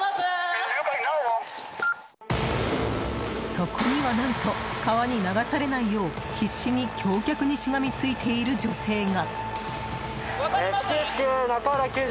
そこには、何と川に流されないよう必死に橋脚にしがみついている女性が。